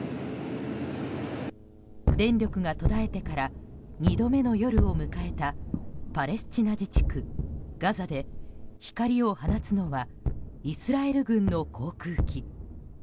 電力が途絶えてから２度目の夜を迎えたパレスチナ自治区ガザで光を放つのはイスラエル軍の航空機。